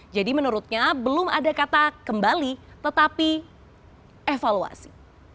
jadi menurutnya belum ada kata kembali tetapi evaluasi